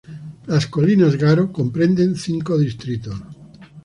Las colinas Garo comprende cinco distritos.